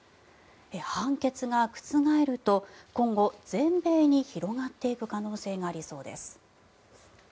判決が覆ると今後、全米に広がっていく可能性がありそうです。